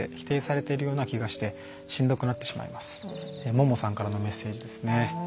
ももさんからのメッセージですね。